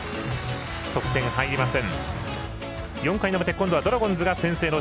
得点入りません。